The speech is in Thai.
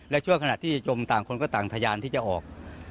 และช่วงขณะที่จมต่างคนก็ต่างทะยานที่จะออก